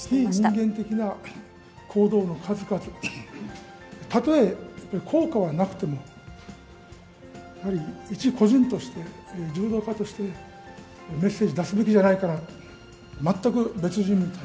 非人間的な行動の数々、たとえ効果はなくても、やっぱり一個人として、柔道家として、メッセージ出すべきじゃないかなと。